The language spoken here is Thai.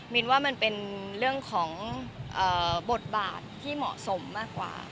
นว่ามันเป็นเรื่องของบทบาทที่เหมาะสมมากกว่า